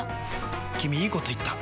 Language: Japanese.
君いいこと言った！